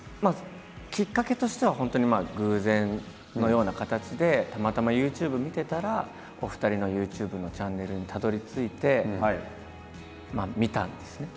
きっかけとしては本当に偶然のような形でたまたまＹｏｕＴｕｂｅ見てたらお二人のＹｏｕＴｕｂｅのチャンネルにたどりついて見たんですね。